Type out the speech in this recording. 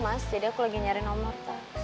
mas jadi aku lagi nyari nomor tuh